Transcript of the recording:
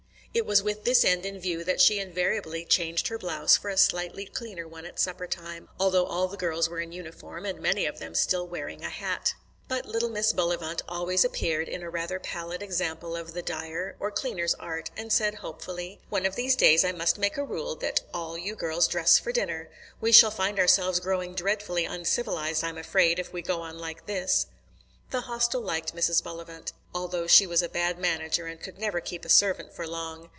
It was with this end in view that she invariably changed her blouse for a slightly cleaner one at suppertime, although all the girls were in uniform, and many of them still wearing a hat. But little Mrs. Bullivant always appeared in a rather pallid example of the dyer or cleaner's art, and said hopefully: "One of these days I must make a rule that all you girls dress for dinner. We shall find ourselves growing dreadfully uncivilized, I'm afraid, if we go on like this." The Hostel liked Mrs. Bullivant, although she was a bad manager and could never keep a servant for long.